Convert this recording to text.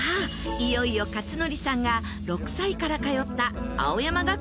いよいよ克典さんが６歳から通った青山学院に到着しましたよ。